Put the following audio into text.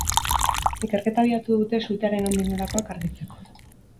Ikerketa abiatu dute sutearen nondik norakoak argitzeko.